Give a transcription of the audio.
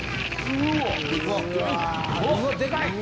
うわでかい！